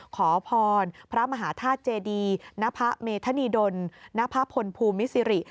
ขอพรพระมหาธาตุเจดีณพระเมธนีดลณภาพพลภูมิสิริ